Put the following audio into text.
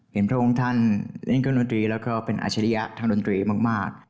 เห็นเพราะว่าคุณท่านเล่นการดนตรีแล้วก็เป็นอาชาริยะทางดนตรีมาก